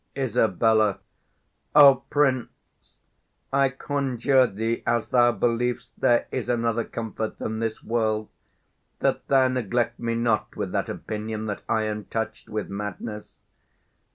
Isab. O prince, I conjure thee, as thou believest There is another comfort than this world, That thou neglect me not, with that opinion 50 That I am touch'd with madness!